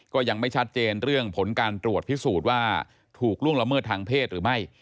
ก็ยังไม่ชัดเจนเรื่องผลการตรวจพิสูจน์ว่าถูกล่วงละเมิดทางเพศหรือไม่